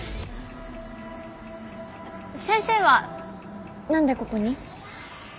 先生は何でここに？